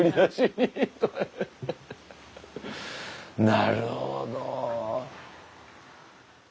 なるほど。